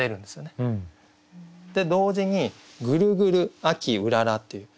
同時に「ぐるぐる秋うらら」っていう。